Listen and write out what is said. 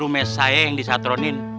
rumes saya yang disatronin